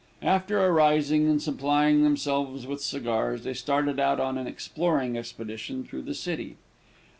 After arising, and supplying themselves with cigars, they started out on an exploring expedition through the city.